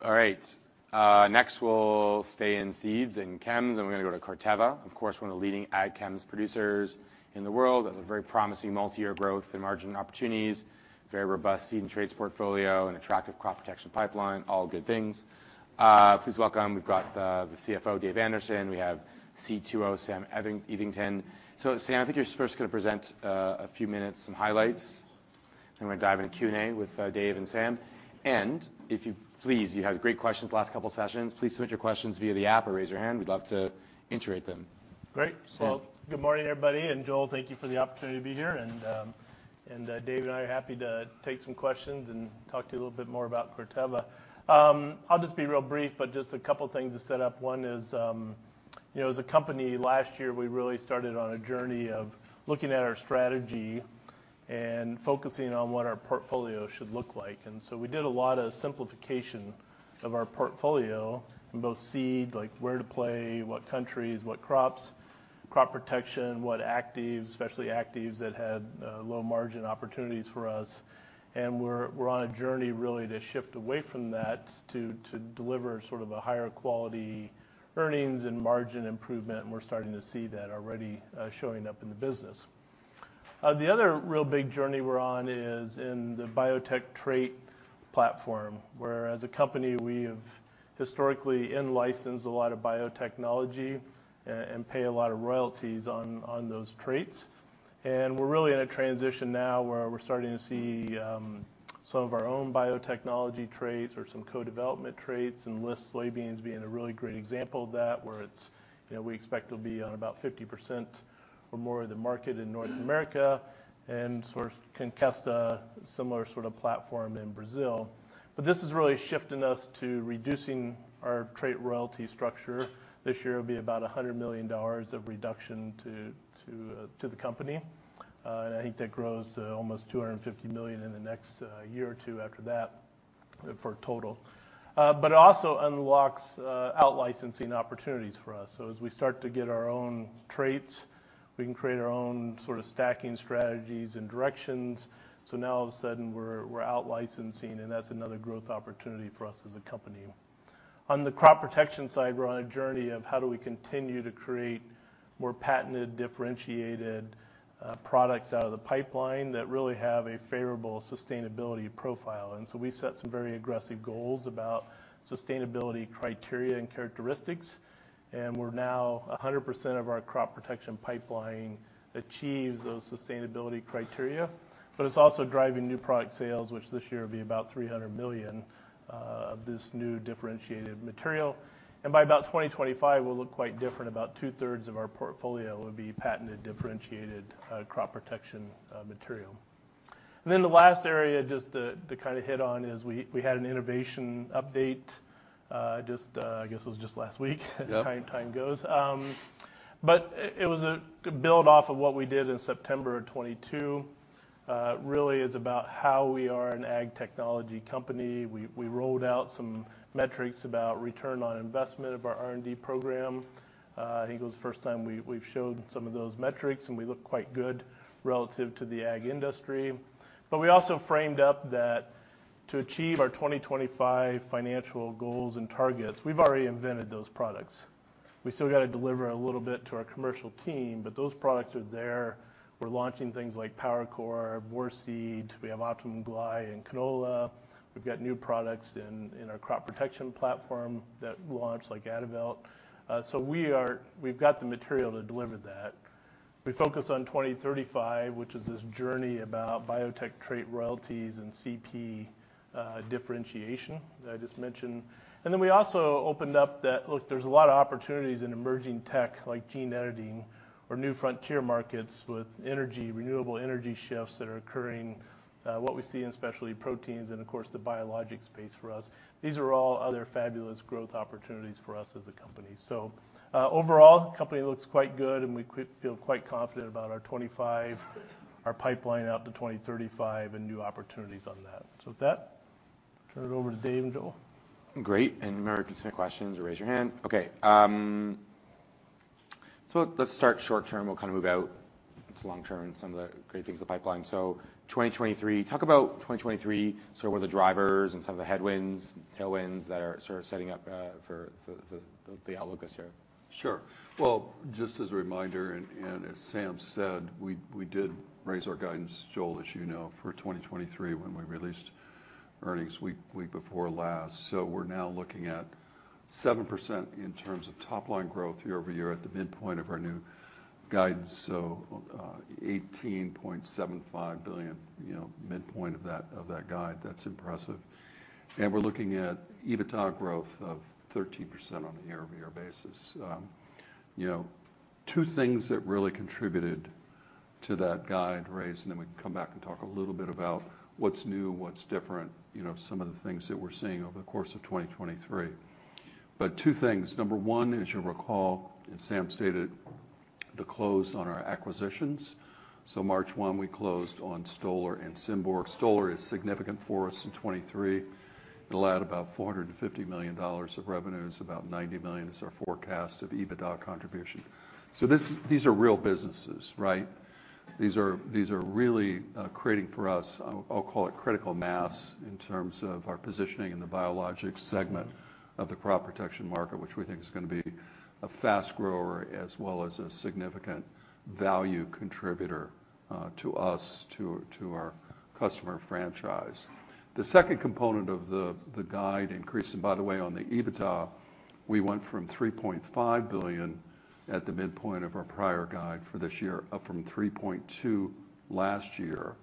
All right. Next we'll stay in seeds and chems, we're gonna go to Corteva, of course, one of the leading ag chems producers in the world. Has a very promising multi-year growth and margin opportunities, very robust seed and traits portfolio, and attractive Crop Protection pipeline. All good things. Please welcome, we've got, the CFO, Dave Anderson. We have CTO, Sam Eathington. Sam, I think you're first gonna present, a few minutes, some highlights. We're gonna dive into Q&A with Dave and Sam. If you please, you had great questions the last couple sessions, please submit your questions via the app or raise your hand. We'd love to integrate them. Great. Sam. Well, good morning, everybody, Joel, thank you for the opportunity to be here. Dave and I are happy to take some questions and talk to you a little bit more about Corteva. I'll just be real brief, but just a couple things to set up. One is, you know, as a company, last year we really started on a journey of looking at our strategy and focusing on what our portfolio should look like. We did a lot of simplification of our portfolio in both Seed, like where to play, what countries, what crops, Crop Protection, what actives, especially actives that had low margin opportunities for us. We're on a journey really to shift away from that to deliver sort of a higher-quality earnings and margin improvement, and we're starting to see that already showing up in the business. The other real big journey we're on is in the biotech trait platform, where as a company we have historically in-licensed a lot of biotechnology and pay a lot of royalties on those traits. we're really in a transition now where we're starting to see some of our own biotechnology traits or some co-development traits, Enlist soybeans being a really great example of that, where it's, you know, we expect it'll be on about 50% or more of the market in North America and sort of can test a similar sort of platform in Brazil. This is really shifting us to reducing our trait royalty structure. This year it'll be about $100 million of reduction to the company. I think that grows to almost $250 million in the next year or two after that for a total. It also unlocks out-licensing opportunities for us. As we start to get our own traits, we can create our own sort of stacking strategies and directions. Now all of a sudden we're out licensing, and that's another growth opportunity for us as a company. On the Crop Protection side, we're on a journey of how do we continue to create more patented, differentiated products out of the pipeline that really have a favorable sustainability profile. We set some very aggressive goals about sustainability criteria and characteristics. We're now 100% of our Crop Protection pipeline achieves those sustainability criteria, but it's also driving new product sales, which this year will be about $300 million of this new differentiated material. By about 2025, we'll look quite different. About two-thirds of our portfolio will be patented, differentiated, Crop Protection material. The last area just to kinda hit on is we had an Innovation Update just I guess it was just last week. Yeah... as time goes. It was a build off of what we did in September 2022. It really is about how we are an ag technology company. We rolled out some metrics about return on investment of our R&D program. I think it was the first time we've showed some of those metrics, and we look quite good relative to the ag industry. We also framed up that to achieve our 2025 financial goals and targets, we've already invented those products. We still gotta deliver a little bit to our commercial team, but those products are there. We're launching things like PowerCore, Vorceed, we have Optimum GLY in canola. We've got new products in our Crop Protection platform that launch like Adavelt. We've got the material to deliver that. We focus on 2035, which is this journey about biotech trait royalties and CP differentiation that I just mentioned. We also opened up that, look, there's a lot of opportunities in emerging tech like gene `or new frontier markets with energy, renewable energy shifts that are occurring, what we see in especially proteins and of course the biologic space for us. These are all other fabulous growth opportunities for us as a company. Overall, company looks quite good, and we feel quite confident about our 2025, our pipeline out to 2035, and new opportunities on that. With that, turn it over to Dave and Joel. Great. Remember, you can submit questions or raise your hand. Okay, let's start short term. We'll kind of move out to long term, some of the great things in the pipeline. 2023, talk about 2023, sort of what the drivers and some of the headwinds and tailwinds that are sort of setting up for the outlook this year. Sure. Well, just as a reminder and, as Sam said, we did raise our guidance, Joel, as you know, for 2023 when we released earnings week before last. We're now looking at 7% in terms of top-line growth year-over-year at the midpoint of our new guidance, so $18.75 billion, you know, midpoint of that guide. That's impressive. We're looking at EBITDA growth of 13% on a year-over-year basis. You know, two things that really contributed to that guide raise, and then we can come back and talk a little bit about what's new, what's different, you know, some of the things that we're seeing over the course of 2023. Two things. Number one, as you'll recall, and Sam stated the close on our acquisitions. March 1, 2023 we closed on Stoller and Symborg. Stoller is significant for us in 2023. It'll add about $450 million of revenues, about $90 million is our forecast of EBITDA contribution. These are real businesses, right? These are really creating for us, I'll call it critical mass in terms of our positioning in the biologics segment of the Crop Protection market, which we think is gonna be a fast grower as well as a significant value contributor to us, to our customer franchise. The second component of the guide increase. By the way, on the EBITDA, we went from $3.5 billion at the midpoint of our prior guide for this year, up from $3.2 billion last year,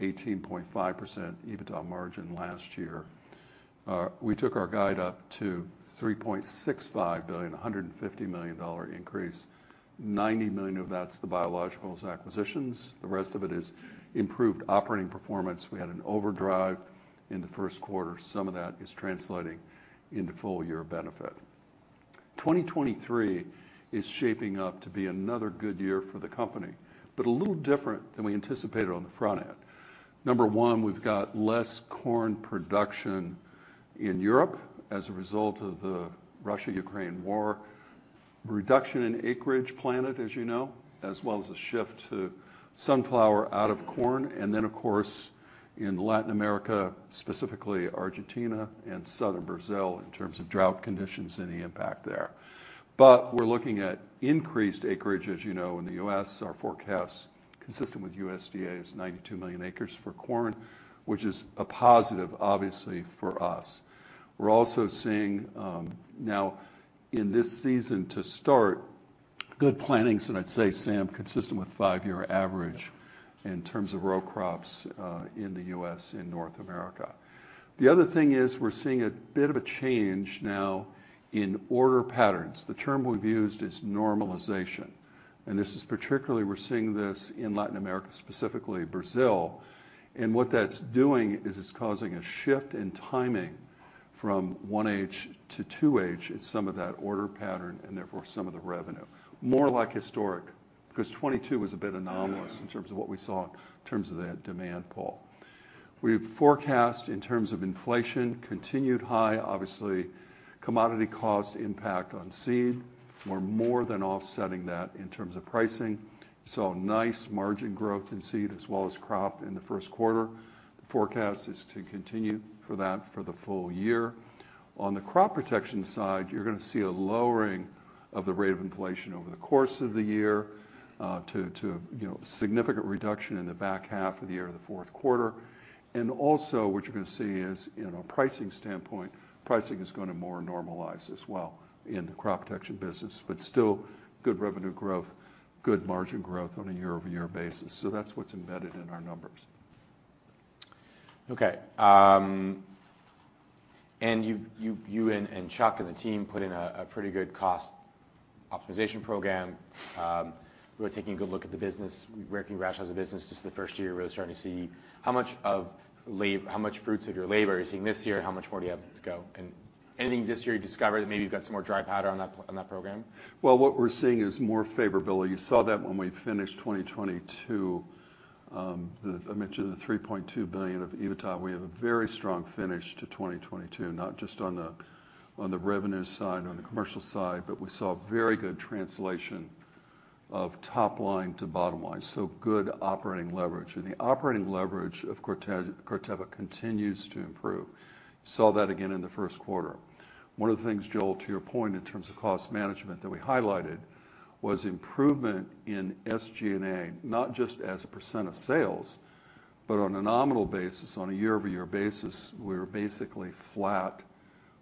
18.5% EBITDA margin last year. We took our guide up to $3.65 billion, a $150 million increase. $90 million of that's the biologicals acquisitions. The rest of it is improved operating performance. We had an overdrive in the first quarter. Some of that is translating into full year benefit. 2023 is shaping up to be another good year for the company, a little different than we anticipated on the front end. Number one, we've got less corn production in Europe as a result of the Russia-Ukraine war. Reduction in acreage planted, as you know, as well as a shift to sunflower out of corn. Of course, in Latin America, specifically Argentina and southern Brazil in terms of drought conditions and the impact there. We're looking at increased acreage, as you know, in the U.S. Our forecast, consistent with USDA, is 92 million acres for corn, which is a positive, obviously, for us. We're also seeing, now in this season to start, good plantings, and I'd say, Sam, consistent with five-year average in terms of row crops, in the US, in North America. The other thing is we're seeing a bit of a change now in order patterns. The term we've used is normalization. This is particularly, we're seeing this in Latin America, specifically Brazil, and what that's doing is it's causing a shift in timing from 1H to 2H in some of that order pattern, and therefore some of the revenue. More like historic, because 2022 was a bit anomalous in terms of what we saw in terms of that demand pull. We've forecast in terms of inflation, continued high. Obviously commodity cost impact on Seed. We're more than offsetting that in terms of pricing. Saw nice margin growth in Seed as well as Crop in the first quarter. The forecast is to continue for that for the full year. On the Crop Protection side, you're gonna see a lowering of the rate of inflation over the course of the year, to, you know, significant reduction in the back half of the year in the fourth quarter. Also what you're gonna see is in a pricing standpoint, pricing is gonna more normalize as well in the Crop Protection business, but still good revenue growth, good margin growth on a year-over-year basis. That's what's embedded in our numbers. Okay. You and Chuck and the team put in a pretty good cost optimization program. You were taking a good look at the business. Working rational as a business. This is the first year you're really starting to see how much fruits of your labor are you seeing this year, and how much more do you have to go? Anything this year you discovered that maybe you've got some more dry powder on that program? Well, what we're seeing is more favorability. You saw that when we finished 2022, I mentioned the $3.2 billion of EBITDA. We have a very strong finish to 2022, not just on the revenue side, on the commercial side, but we saw very good translation of top line to bottom line, so good operating leverage. The operating leverage of Corteva continues to improve. Saw that again in the first quarter. One of the things, Joel, to your point in terms of cost management that we highlighted was improvement in SG&A, not just as a percent of sales, but on a nominal basis. On a year-over-year basis, we're basically flat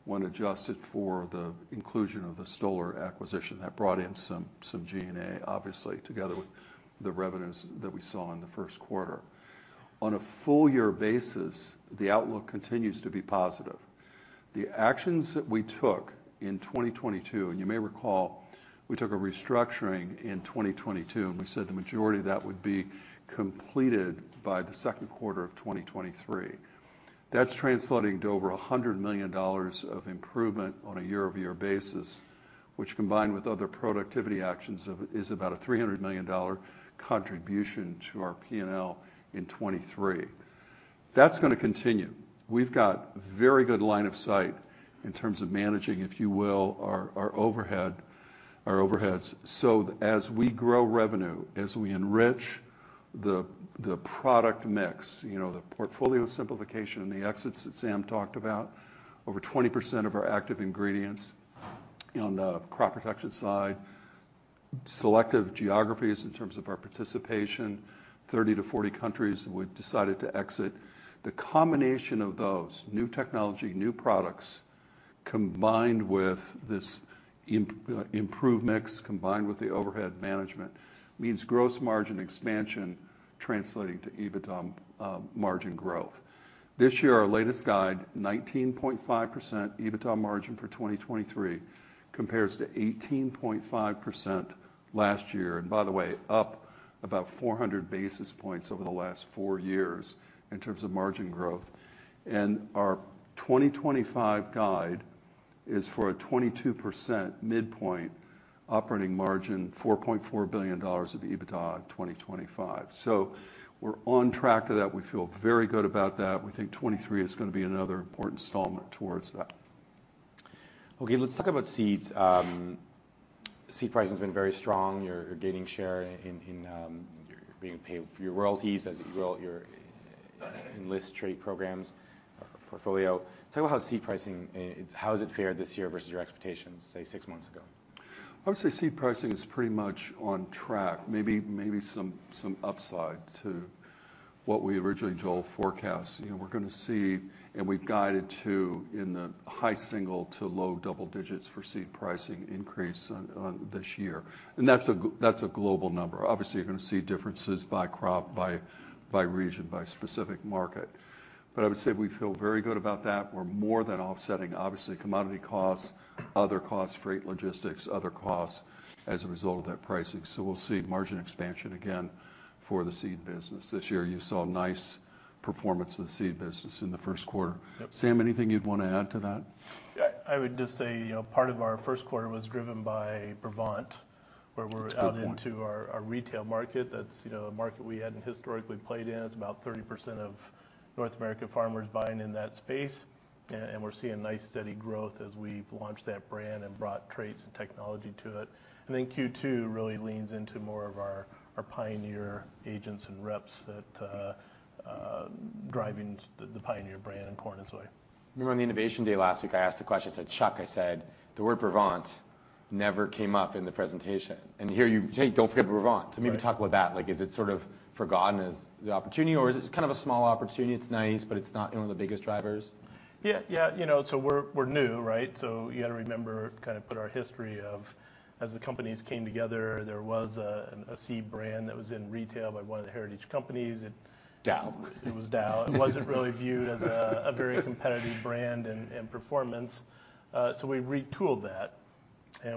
when adjusted for the inclusion of the Stoller acquisition. That brought in some G&A, obviously, together with the revenues that we saw in the first quarter. On a full year basis, the outlook continues to be positive. The actions that we took in 2022, and you may recall, we took a restructuring in 2022, and we said the majority of that would be completed by the second quarter of 2023. That's translating to over $100 million of improvement on a year-over-year basis, which combined with other productivity actions is about a $300 million contribution to our P&L in 2023. That's gonna continue. We've got very good line of sight in terms of managing, if you will, our overhead, our overheads. As we grow revenue, as we enrich the product mix, you know, the portfolio simplification and the exits that Sam talked about, over 20% of our active ingredients on the Crop Protection side, selective geographies in terms of our participation, 30-40 countries we've decided to exit. The combination of those new technology, new products, combined with this improved mix, combined with the overhead management, means gross margin expansion translating to EBITDA margin growth. This year, our latest guide, 19.5% EBITDA margin for 2023 compares to 18.5% last year. By the way, up about 400 basis points over the last four years in terms of margin growth. Our 2025 guide is for a 22% midpoint operating margin, $4.4 billion of EBITDA in 2025. We're on track to that. We feel very good about that. We think 2023 is gonna be another important installment towards that. Okay, let's talk about seeds. Seed pricing has been very strong. You're gaining share in, you're being paid for your royalties as you grow your Enlist trait programs or portfolio. Tell me about seed pricing and how has it fared this year versus your expectations, say, six months ago? I would say seed pricing is pretty much on track, maybe some upside to what we originally told forecast. You know, we're gonna see, we've guided to in the high single- to low double-digits for seed pricing increase on this year. That's a global number. Obviously, you're gonna see differences by crop, by region, by specific market. I would say we feel very good about that. We're more than offsetting obviously commodity costs, other costs, freight, logistics, other costs as a result of that pricing. We'll see margin expansion again for the Seed business this year. You saw nice performance of the Seed business in the first quarter. Yep. Sam, anything you'd wanna add to that? Yeah. I would just say, you know, part of our first quarter was driven by Brevant where That's a good point.... out into our retail market. That's, you know, a market we hadn't historically played in. It's about 30% of North American farmers buying in that space. We're seeing nice, steady growth as we've launched that brand and brought traits and technology to it. Then Q2 really leans into more of our Pioneer agents and reps that driving the Pioneer brand in corn and soy. Remember on the Innovation Day last week, I asked a question. I said, "Chuck," I said, "the word Brevant never came up in the presentation." Here you, "Hey, don't forget Brevant. Right. Maybe talk about that. Like, is it sort of forgotten as the opportunity, or is it kind of a small opportunity? It's nice, but it's not one of the biggest drivers. Yeah. Yeah. You know, we're new, right? You gotta remember, kind of put our history of as the companies came together, there was a seed brand that was in retail by one of the heritage companies. Dow. It was Dow. It wasn't really viewed as a very competitive brand and in performance. We retooled that.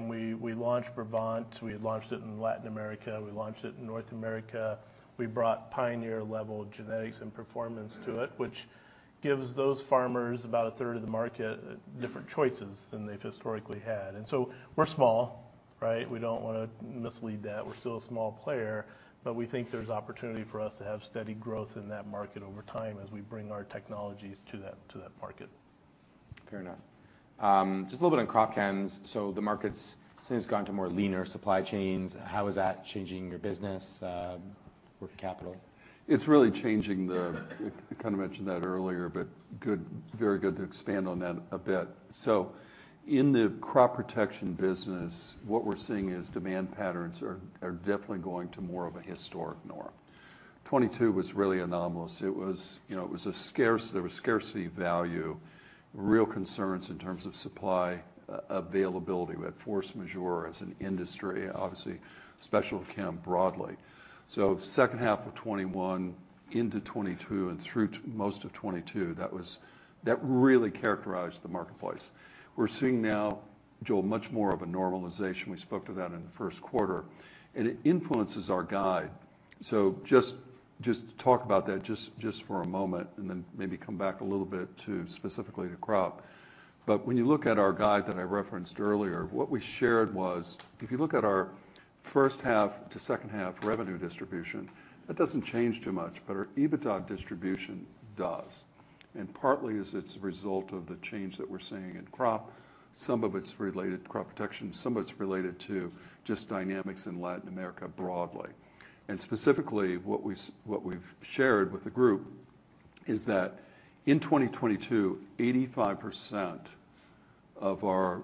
We launched Brevant. We launched it in Latin America. We launched it in North America. We brought Pioneer-level genetics and performance to it, which gives those farmers about a third of the market, different choices than they've historically had. We're small, right? We don't wanna mislead that. We're still a small player, we think there's opportunity for us to have steady growth in that market over time as we bring our technologies to that market. Fair enough. just a little bit on Crop chems. The market's since gone to more leaner supply chains. How is that changing your business, working capital? It's really changing. I kinda mentioned that earlier, but good, very good to expand on that a bit. In the Crop Protection business, what we're seeing is demand patterns are definitely going to more of a historic norm. 2022 was really anomalous. It was, you know, it was a scarce— there was scarcity value, real concerns in terms of supply availability. We had force majeure as an industry, obviously, spec chem broadly. Second half of 2021 into 2022 and through most of 2022, that was. That really characterized the marketplace. We're seeing now, Joel, much more of a normalization. We spoke to that in the first quarter, and it influences our guide. Just talk about that for a moment, and then maybe come back a little bit to specifically to Crop. When you look at our guide that I referenced earlier, what we shared was if you look at our first half to second half revenue distribution, that doesn't change too much, but our EBITDA distribution does. Partly is it's a result of the change that we're seeing in Crop. Some of it's related to Crop Protection, some of it's related to just dynamics in Latin America broadly. Specifically, what we've shared with the group is that in 2022, 85% of our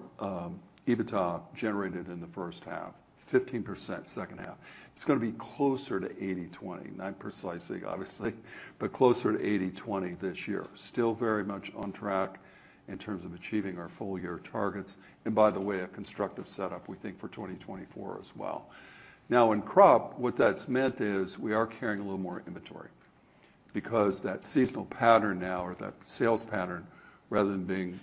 EBITDA generated in the first half, 15% second half. It's gonna be closer to 80-20. Not precisely, obviously, but closer to 80-20 this year. Still very much on track in terms of achieving our full-year targets, and by the way, a constructive setup, we think, for 2024 as well. In Crop, what that's meant is we are carrying a little more inventory because that seasonal pattern now or that sales pattern, rather than being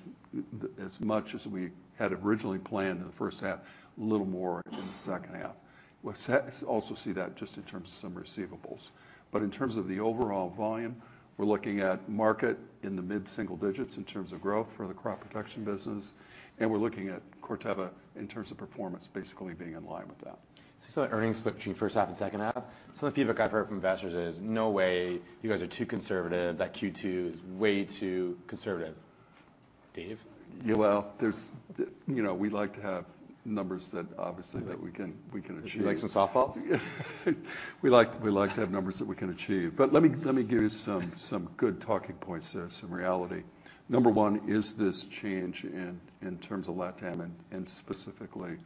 as much as we had originally planned in the first half, a little more in the second half. We also see that just in terms of some receivables. In terms of the overall volume, we're looking at market in the mid-single digits in terms of growth for the Crop Protection business, and we're looking at Corteva in terms of performance basically being in line with that. Some of the earnings split between first half and second half. Some of the feedback I've heard from investors is, "No way. You guys are too conservative. That Q2 is way too conservative." Dave? Yeah. Well, there's the... You know, we like to have numbers that obviously- Right... that we can achieve. Would you like some softballs? We like to have numbers that we can achieve. Let me give you some good talking points there, some reality. Number one is this change in terms of LatAm and specifically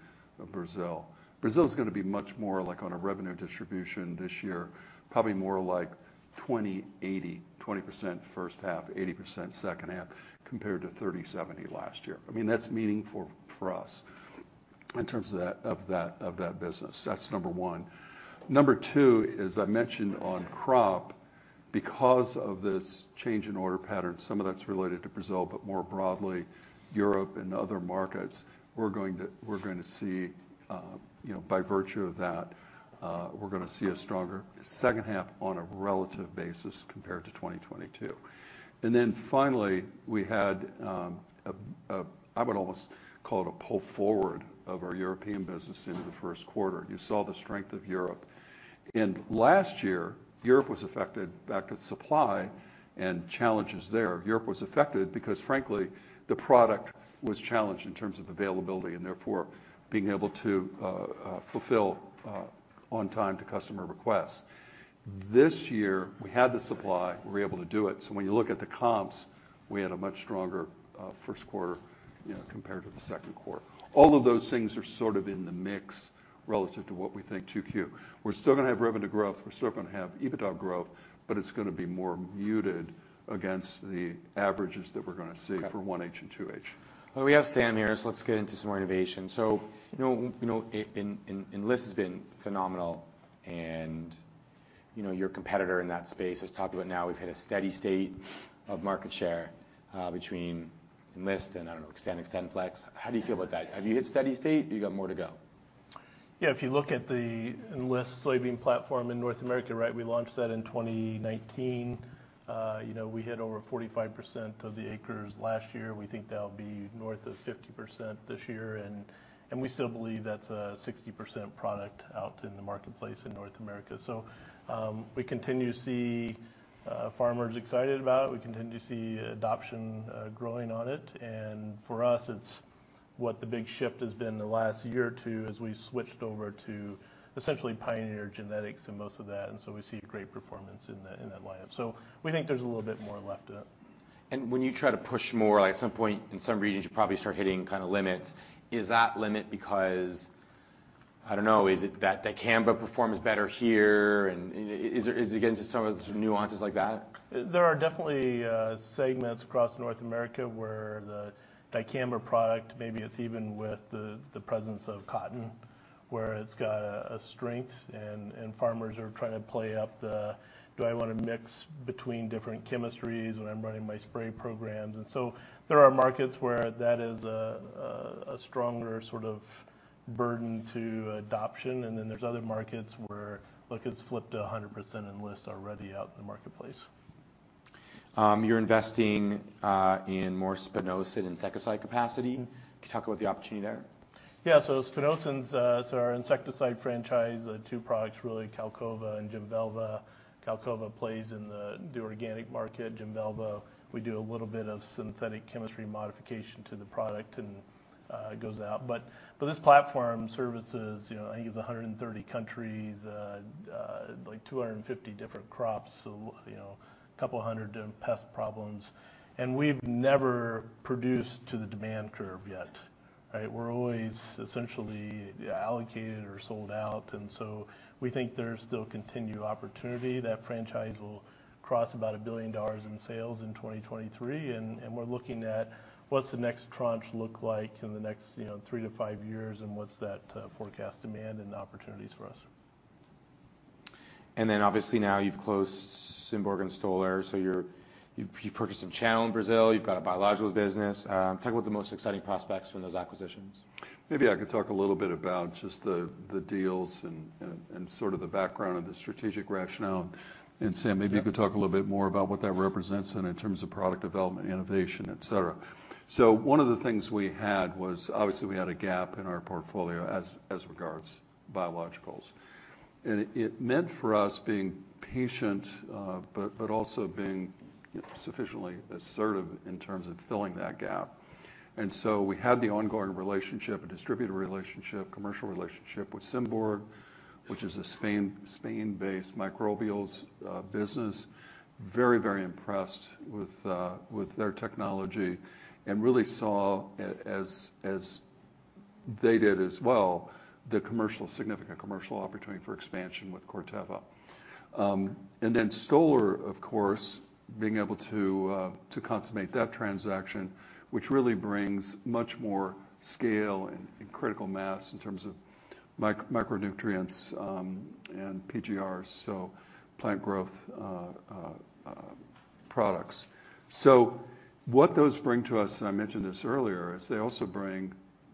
Brazil. Brazil's gonna be much more like on a revenue distribution this year, probably more like 20% 80%, 20% first half, 80% second half, compared to 30%, 70% last year. I mean, that's meaningful for us in terms of that business. That's number one. Number two is I mentioned on Crop, because of this change in order patterns, some of that's related to Brazil, but more broadly, Europe and other markets, we're going to see, you know, by virtue of that, we're going to see a stronger second half on a relative basis compared to 2022. Finally, we had I would almost call it a pull forward of our European business into the first quarter. You saw the strength of Europe. Last year, Europe was affected back at supply and challenges there. Europe was affected because frankly the product was challenged in terms of availability and therefore being able to fulfill on time to customer requests. This year, we had the supply, we were able to do it. When you look at the comps, we had a much stronger first quarter, you know, compared to the second quarter. All of those things are sort of in the mix relative to what we think 2Q. We're still gonna have revenue growth, we're still gonna have EBITDA growth, but it's gonna be more muted against the averages that we're gonna see. Okay... for 1H and 2H. Well, we have Sam here, so let's get into some more innovation. You know, Enlist has been phenomenal, and, you know, your competitor in that space has talked about now we've hit a steady state of market share between Enlist and, I don't know, Xtend and XtendFlex. How do you feel about that? Have you hit steady state? You got more to go? If you look at the Enlist soybean platform in North America, right? We launched that in 2019. you know, we hit over 45% of the acres last year. We think that'll be north of 50% this year, and we still believe that's a 60% product out in the marketplace in North America. We continue to see farmers excited about it. We continue to see adoption growing on it. For us, it's what the big shift has been the last year or two as we switched over to essentially Pioneer genetics in most of that, and so we see great performance in that line up. We think there's a little bit more left in it. When you try to push more, like at some point in some regions, you probably start hitting kinda limits. Is that limit because, I don't know, is it that Dicamba performs better here, and is it again just some of the sort of nuances like that? There are definitely segments across North America where the Dicamba product, maybe it's even with the presence of cotton, where it's got a strength and farmers are trying to play up the, "Do I wanna mix between different chemistries when I'm running my spray programs?" There are markets where that is a stronger sort of burden to adoption, and then there's other markets where, look, it's flipped 100% Enlist already out in the marketplace. You're investing in more spinosyn insecticide capacity. Can you talk about the opportunity there? Spinosyns, our insecticide franchise, two products really, Qalcova and Jemvelva. Qalcova plays in the organic market. Jemvelva, we do a little bit of synthetic chemistry modification to the product and it goes out. This platform services, you know, I think it's 130 countries, like 250 different crops, so, you know, couple hundred pest problems. We've never produced to the demand curve yet, right? We're always essentially allocated or sold out, we think there's still continued opportunity. That franchise will cross about $1 billion in sales in 2023, and we're looking at what's the next tranche look like in the next, you know, three to five years and what's that forecast demand and opportunities for us. Obviously now you've closed Symborg and Stoller, so you've purchased some channel in Brazil. You've got a biologicals business. Talk about the most exciting prospects from those acquisitions? Maybe I could talk a little bit about just the deals and, and sort of the background of the strategic rationale. Yeah... maybe you could talk a little bit more about what that represents and in terms of product development, innovation, et cetera. One of the things we had was obviously we had a gap in our portfolio as regards biologicals. It meant for us being patient, but also being, you know, sufficiently assertive in terms of filling that gap. We had the ongoing relationship, a distributor relationship, commercial relationship with Symborg, which is a Spain-based microbials business. Very impressed with their technology and really saw it as they did as well, the commercial significant commercial opportunity for expansion with Corteva. Then Stoller, of course, being able to consummate that transaction, which really brings much more scale and critical mass in terms of micronutrients and PGRs, so plant growth products. What those bring to us, and I mentioned this earlier, is they also bring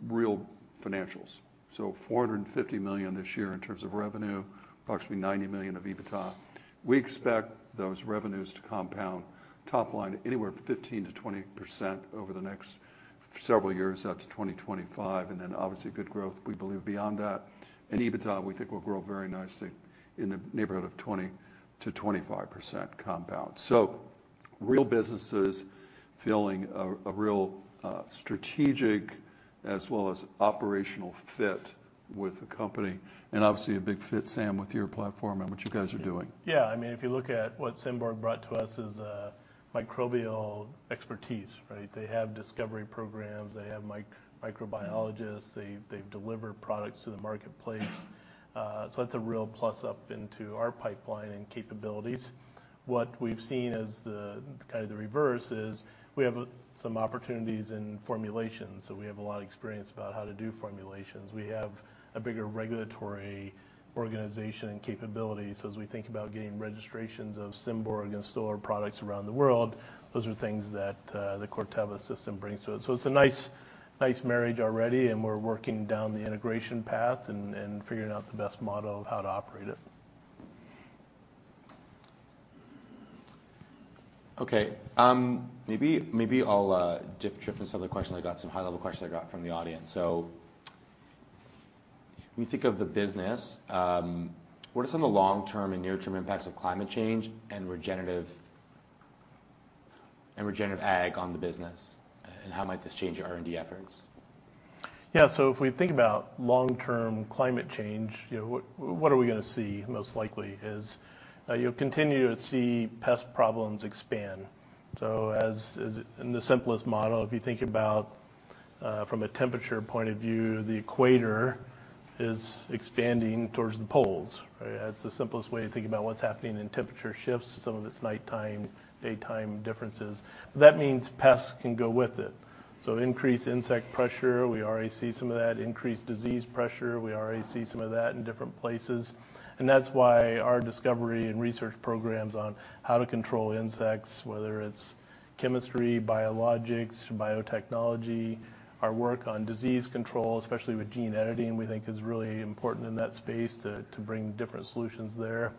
real financials. $450 million this year in terms of revenue, approximately $90 million of EBITDA. We expect those revenues to compound top line anywhere 15%-20% over the next several years out to 2025, and then obviously good growth we believe beyond that. EBITDA, we think will grow very nicely in the neighborhood of 20%-25% compound. Real businesses filling a real, strategic as well as operational fit with the company, and obviously a big fit, Sam, with your platform and what you guys are doing. I mean, if you look at what Symborg brought to us is microbial expertise, right? They have discovery programs. They have microbiologists. They've delivered products to the marketplace. That's a real plus up into our pipeline and capabilities. What we've seen as the kind of the reverse is we have some opportunities in formulation, so we have a lot of experience about how to do formulations. We have a bigger regulatory organization and capabilities. As we think about getting registrations of Symborg and Stoller products around the world, those are things that the Corteva system brings to it. It's a nice marriage already, and we're working down the integration path and figuring out the best model of how to operate it. Okay. Maybe I'll drift into some other questions I got, some high-level questions I got from the audience. When you think of the business, what are some of the long-term and near-term impacts of climate change and regenerative ag on the business, and how might this change your R&D efforts? Yeah. If we think about long-term climate change, you know, what are we gonna see most likely is, you'll continue to see pest problems expand. In the simplest model, if you think about, from a temperature point of view, the equator is expanding towards the poles, right? That's the simplest way to think about what's happening in temperature shifts. Some of it's nighttime, daytime differences. That means pests can go with it. Increased insect pressure, we already see some of that. Increased disease pressure, we already see some of that in different places. That's why our discovery and research programs on how to control insects, whether it's chemistry, biologics, biotechnology, our work on disease control, especially with gene editing, we think is really important in that space to bring different solutions there.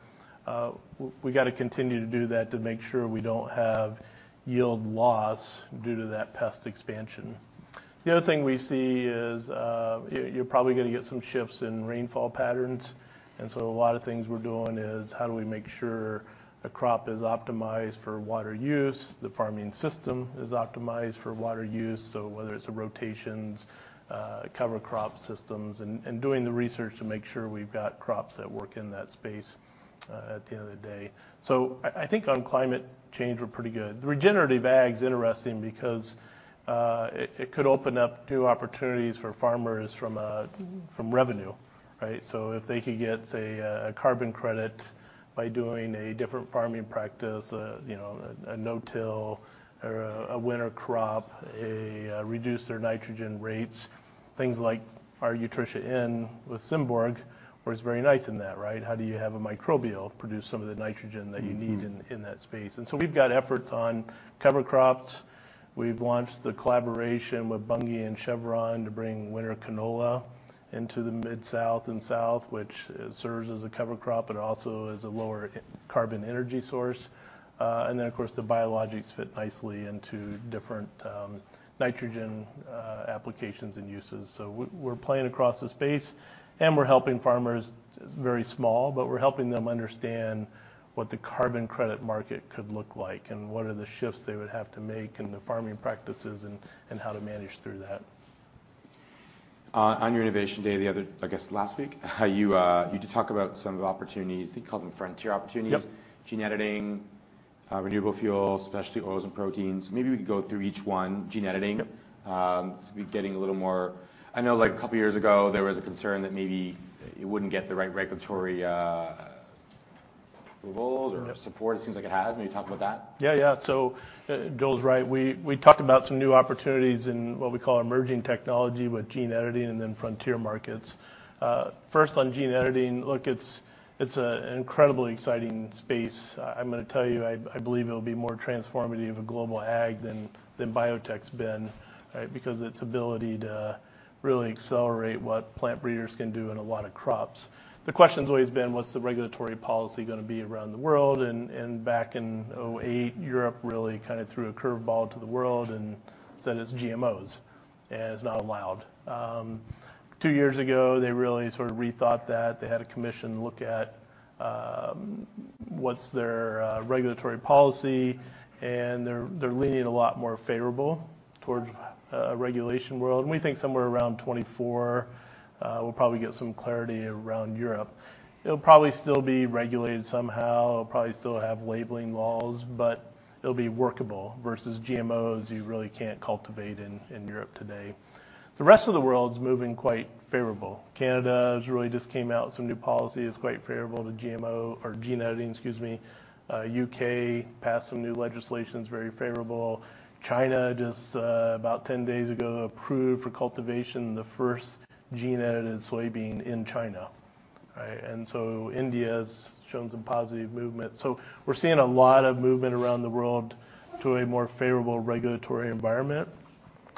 We gotta continue to do that to make sure we don't have yield loss due to that pest expansion. The other thing we see is, you're probably gonna get some shifts in rainfall patterns. A lot of things we're doing is how do we make sure a crop is optimized for water use, the farming system is optimized for water use. Whether it's the rotations, cover crop systems, and doing the research to make sure we've got crops that work in that space at the end of the day. I think on climate change, we're pretty good. Regenerative ag's interesting because it could open up new opportunities for farmers from a- Mm-hmm... from revenue, right? If they could get, say, a carbon credit by doing a different farming practice, you know, a no-till or a winter crop, reduce their nitrogen rates, things like our Utrisha N with Symborg works very nice in that, right? How do you have a microbial produce some of the nitrogen that you need- Mm-hmm in that space? We've got efforts on cover crops. We've launched the collaboration with Bunge and Chevron to bring winter canola into the mid-south and south, which serves as a cover crop but also as a lower carbon energy source. Of course, the biologics fit nicely into different nitrogen applications and uses. We're playing across the space, and we're helping farmers, very small, but we're helping them understand what the carbon credit market could look like and what are the shifts they would have to make in the farming practices and how to manage through that. On your Innovation Day the other, I guess last week, how you did talk about some of the opportunities. I think you called them frontier opportunities. Yep. Gene editing, renewable fuels, specialty oils and proteins. Maybe we could go through each one. Gene editing. Yep. I know like a couple years ago, there was a concern that maybe it wouldn't get the right regulatory approvals. Yep... support. It seems like it has. Maybe talk about that. Yeah, yeah. Joel's right. We talked about some new opportunities in what we call emerging technology with gene editing and then frontier markets. First on gene editing, look, it's an incredibly exciting space. I'm gonna tell you, I believe it'll be more transformative of global ag than biotech's been, right? Because its ability to really accelerate what plant breeders can do in a lot of crops. The question's always been what's the regulatory policy gonna be around the world and back in 2008, Europe really kinda threw a curveball to the world and said it's GMOs, and it's not allowed. Two years ago, they really sort of rethought that. They had a commission look at what's their regulatory policy. They're, they're leaning a lot more favorable towards a regulation world. We think somewhere around 2024, we'll probably get some clarity around Europe. It'll probably still be regulated somehow. It'll probably still have labeling laws, but it'll be workable versus GMOs you really can't cultivate in Europe today. The rest of the world's moving quite favorable. Canada has really just came out with some new policy that's quite favorable to GMO or gene editing, excuse me. U.K. passed some new legislations, very favorable. China just about 10 days ago approved for cultivation the first gene-edited soybean in China, right? India's shown some positive movement. We're seeing a lot of movement around the world to a more favorable regulatory environment.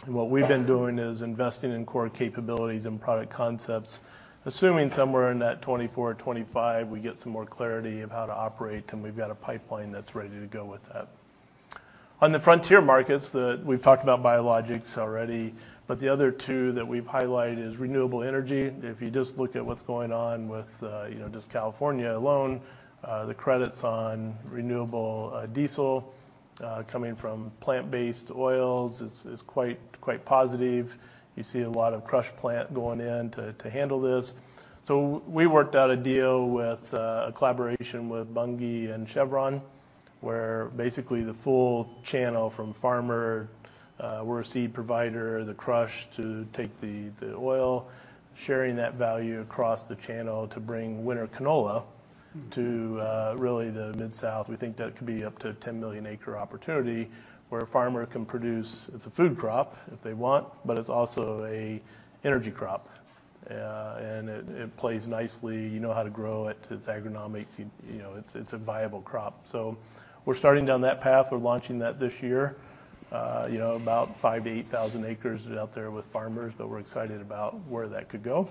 What we've been doing is investing in core capabilities and product concepts assuming somewhere in that 2024 or 2025 we get some more clarity of how to operate, and we've got a pipeline that's ready to go with that. On the frontier markets that we've talked about biologics already, the other two that we've highlighted is renewable energy. If you just look at what's going on with, you know, just California alone, the credits on renewable diesel coming from plant-based oils is quite positive. You see a lot of crush plant going in to handle this. We worked out a deal with a collaboration with Bunge and Chevron, where basically the full channel from farmer, we're a seed provider, the crush to take the oil, sharing that value across the channel to bring winter canola to really the mid-south. We think that could be up to a 10 million acre opportunity where a farmer can produce, as a food crop if they want, but it's also a energy crop. It plays nicely. You know how to grow it. It's agronomic. You know, it's a viable crop. We're starting down that path. We're launching that this year. You know, about 5,000-8,000 acres out there with farmers, we're excited about where that could go.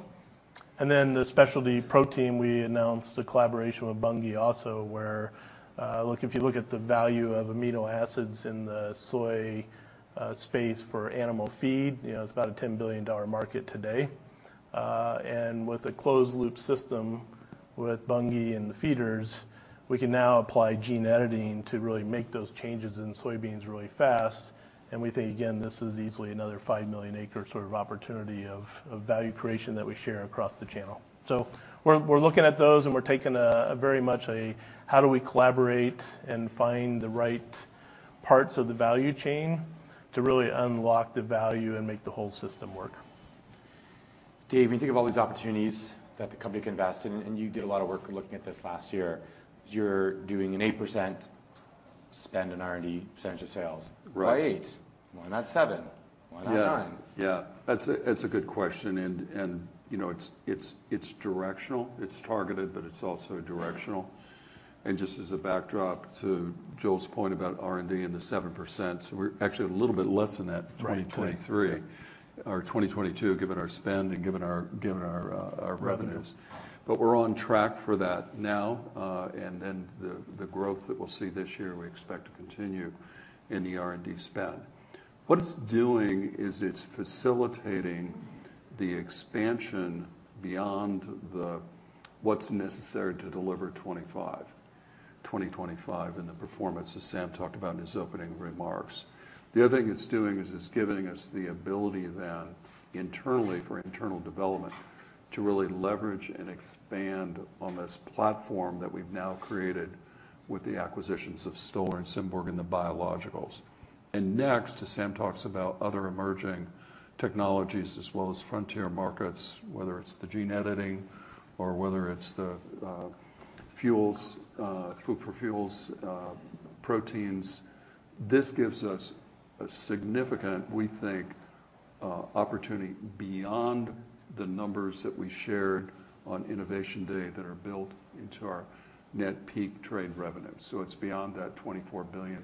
The specialty protein, we announced a collaboration with Bunge also, where, look, if you look at the value of amino acids in the soy, space for animal feed, you know, it's about a $10 billion market today. With a closed loop system with Bunge and the feeders, we can now apply gene editing to really make those changes in soybeans really fast. We think, again, this is easily another 5 million acre sort of opportunity of value creation that we share across the channel. We're looking at those and we're taking a very much a how do we collaborate and find the right parts of the value chain to really unlock the value and make the whole system work. Dave, when you think of all these opportunities that the company can invest in, and you did a lot of work looking at this last year, you're doing an 8% spend on R&D, percentage of sales. Right. Why 8%? Why not 7%? Yeah. Why not 9%? Yeah. That's a good question. You know, it's directional. It's targeted, but it's also directional. Just as a backdrop to Joel's point about R&D and the 7%, so we're actually a little bit less than that. Right... 2023 or 2022, given our spend and given our revenues. Revenues. We're on track for that now. Then the growth that we'll see this year, we expect to continue in the R&D spend. What it's doing is it's facilitating the expansion beyond the what's necessary to deliver 2025, 2025 and the performance, as Sam talked about in his opening remarks. The other thing it's doing is it's giving us the ability then internally, for internal development, to really leverage and expand on this platform that we've now created with the acquisitions of Stoller and Symborg and the biologicals. Next, as Sam talks about other emerging technologies as well as frontier markets, whether it's the gene editing or whether it's the fuels, food for fuels, proteins, this gives us a significant, we think, opportunity beyond the numbers that we shared on Innovation Day that are built into our net peak trade revenue. It's beyond that $24 billion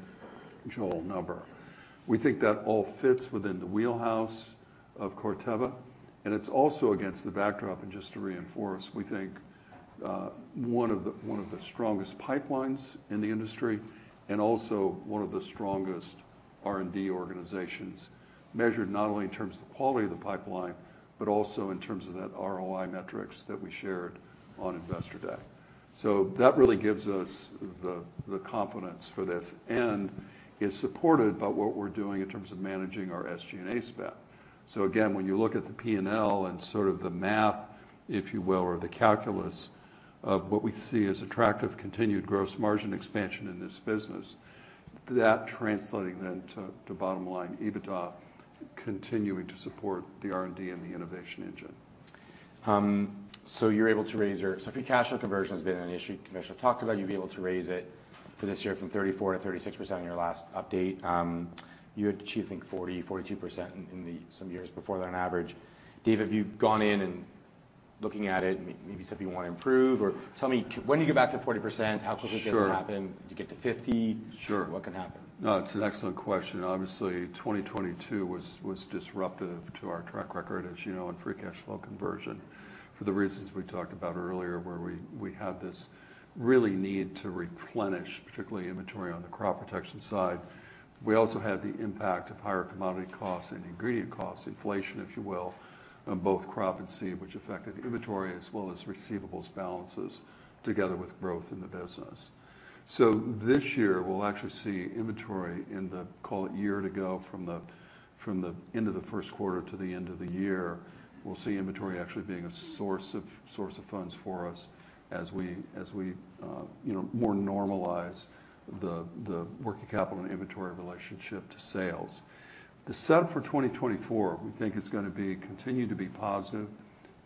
Joel number. We think that all fits within the wheelhouse of Corteva, and it's also against the backdrop, and just to reinforce, we think one of the strongest pipelines in the industry and also one of the strongest R&D organizations, measured not only in terms of the quality of the pipeline, but also in terms of that ROI metrics that we shared on Investor Day. That really gives us the confidence for this and is supported by what we're doing in terms of managing our SG&A spend. Again, when you look at the P&L and sort of the math, if you will, or the calculus of what we see as attractive continued gross margin expansion in this business, that translating then to bottom line EBITDA continuing to support the R&D and the innovation engine. If your cash flow conversion has been an issue, commercial talked about you being able to raise it for this year from 34%-36% in your last update. You had achieved, I think, 40%, 42% in some years before that on average. Dave, have you gone in and looking at it and maybe something you want to improve? Or tell me when you get back to 40%. Sure... how quickly it's gonna happen? Do you get to 50%? Sure. What can happen? It's an excellent question. Obviously, 2022 was disruptive to our track record, as you know, on free cash flow conversion for the reasons we talked about earlier, where we had this really need to replenish particularly inventory on the Crop Protection side. We also had the impact of higher commodity costs and ingredient costs, inflation if you will, on both Crop and Seed, which affected inventory as well as receivables balances together with growth in the business. This year we'll actually see inventory in the, call it year to go from the end of the 1st quarter to the end of the year, we'll see inventory actually being a source of funds for us as we, you know, more normalize the working capital and inventory relationship to sales. The set up for 2024 we think is gonna be continue to be positive.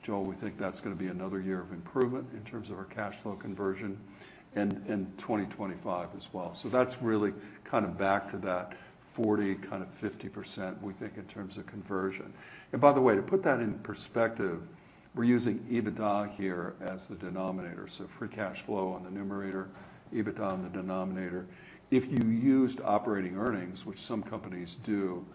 Joel, we think that's gonna be another year of improvement in terms of our cash flow conversion in 2025 as well. That's really kind of back to that 40%-50% we think in terms of conversion. By the way, to put that in perspective, we're using EBITDA here as the denominator. Free cash flow on the numerator, EBITDA on the denominator. If you used operating earnings, which some companies do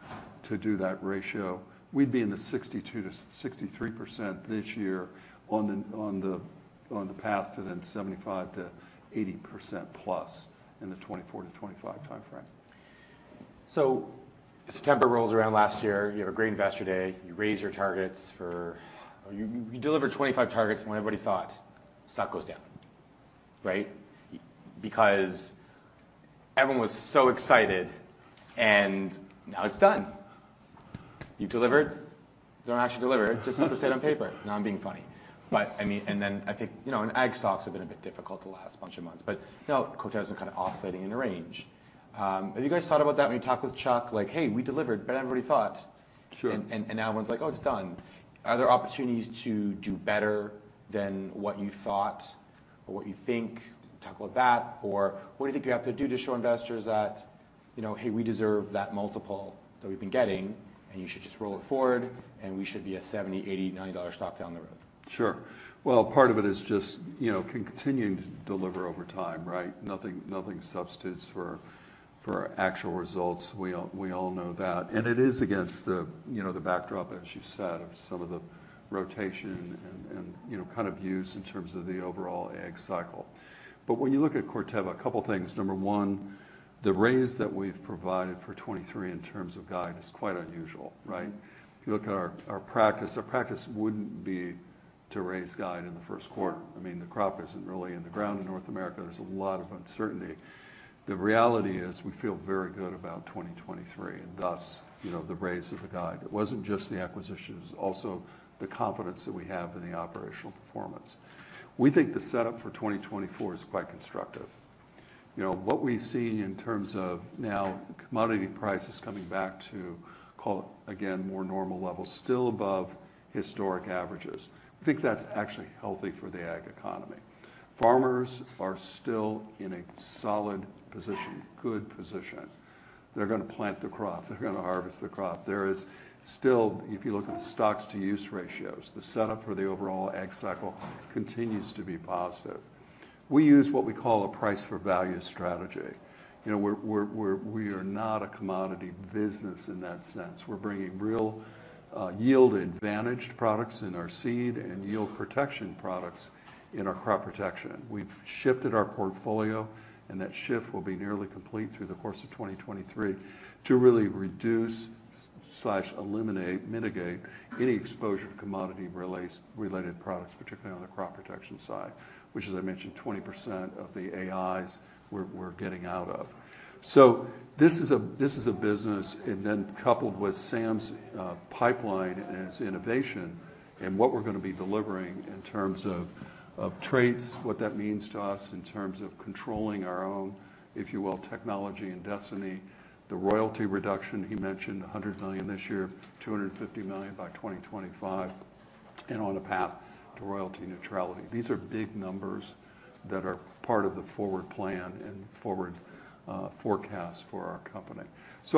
to do that ratio, we'd be in the 62%-63% this year on the path to 75%-80%+ in the 2024-2025 timeframe. September rolls around last year. You have a great Investor Day. You raise your targets for... You deliver 2025 targets when everybody thought stock goes down, right? Because everyone was so excited and now it's done. You've delivered. You don't actually deliver. It just has to say it on paper. No, I'm being funny. I mean, and then I think, you know, and ag stocks have been a bit difficult the last bunch of months, but, you know, Corteva's been kind of oscillating in a range. Have you guys thought about that when you talked with Chuck, like, "Hey, we delivered better than everybody thought. Sure. Now everyone's like, "Oh, it's done." Are there opportunities to do better than what you thought or what you think? Talk about that. What do you think you have to do to show investors that, you know, hey, we deserve that multiple? That we've been getting, and you should just roll it forward, and we should be a $70, $80, $90 stock down the road. Sure. Well, part of it is just, you know, can you continue to deliver over time, right? Nothing substitutes for actual results. We all know that. It is against the, you know, the backdrop, as you said, of some of the rotation and, you know, kind of views in terms of the overall ag cycle. When you look at Corteva, a couple things. Number one, the raise that we've provided for 2023 in terms of guide is quite unusual, right? Mm-hmm. If you look at our practice, our practice wouldn't be to raise guide in the first quarter. I mean, the Crop isn't really in the ground in North America. There's a lot of uncertainty. The reality is, we feel very good about 2023, and thus, you know, the raise of the guide. It wasn't just the acquisitions, it was also the confidence that we have in the operational performance. We think the setup for 2024 is quite constructive. You know, what we see in terms of now commodity prices coming back to, call it, again, more normal levels, still above historic averages. I think that's actually healthy for the ag economy. Farmers are still in a solid position, good position. They're gonna plant the crop. They're gonna harvest the crop. There is still, if you look at the stocks-to-use ratios, the setup for the overall ag cycle continues to be positive. We use what we call a price for value strategy. You know, we are not a commodity business in that sense. We're bringing real, yield advantaged products in our Seed and yield protection products in our Crop Protection. We've shifted our portfolio, and that shift will be nearly complete through the course of 2023, to really reduce/eliminate, mitigate any exposure to commodity related products, particularly on the Crop Protection side, which as I mentioned, 20% of the AIs we're getting out of. This is a business... Coupled with Sam's pipeline and his innovation and what we're gonna be delivering in terms of traits, what that means to us in terms of controlling our own, if you will, technology and destiny. The royalty reduction, he mentioned $100 million this year, $250 million by 2025, and on a path to royalty neutrality. These are big numbers that are part of the forward plan and forward forecast for our company.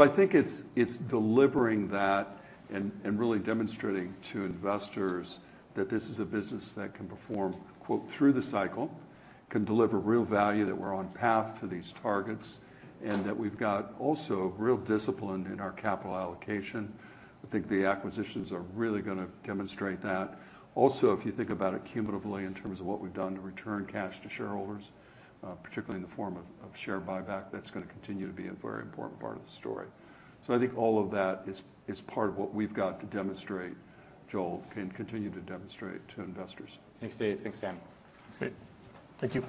I think it's delivering that and really demonstrating to investors that this is a business that can perform, quote, through the cycle, can deliver real value, that we're on path to these targets, and that we've got also real discipline in our capital allocation. I think the acquisitions are really gonna demonstrate that. If you think about it cumulatively in terms of what we've done to return cash to shareholders, particularly in the form of share buyback, that's gonna continue to be a very important part of the story. I think all of that is part of what we've got to demonstrate, Joel, and continue to demonstrate to investors. Thanks, Dave. Thanks, Sam. That's great. Thank you.